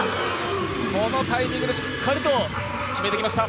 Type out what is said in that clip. このタイミングでしっかりと決めてきました。